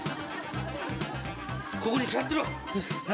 ここに座ってろ。